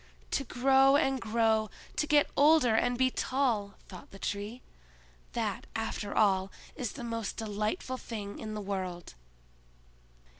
"To grow and grow, to get older and be tall," thought the Tree—"that, after all, is the most delightful thing in the world!"